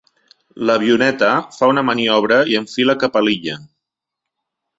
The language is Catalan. L'avioneta fa una maniobra i enfila cap a l'illa.